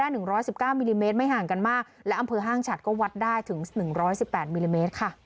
หนึ่งร้อยสิบเก้ามิลลิเมตรไม่ห่างกันมากและอำเภอห้างฉัดก็วัดได้ถึงหนึ่งร้อยสิบแปดมิลลิเมตรค่ะ